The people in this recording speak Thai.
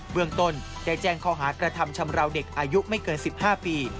เมืองต้นได้แจ้งข้อหากระทำชำราวเด็กอายุไม่เกิน๑๕ปี